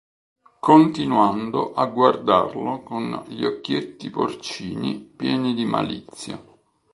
Continuando a guardarlo con gli occhietti porcini pieni di malizia.